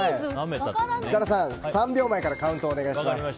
設楽さん、３秒前からカウントをお願いします。